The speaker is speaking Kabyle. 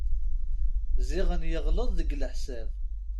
Ziɣen yeɣleḍ deg leḥsab.